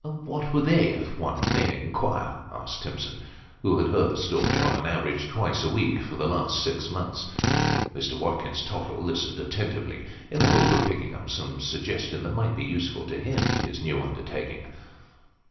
" What were they, if one may inquire ?" asked Timson, who had heard the story, on an average, twice a week for the last six months. Mr. Watkins Tottle listened attentively, in the hope of picking up some suggestion that might be useful to him in his new under taking.